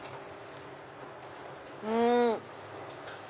うん！